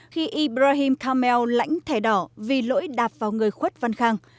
khi ibrahim kamel lãnh thẻ đỏ vì lỗi đạp vào người khuất văn khang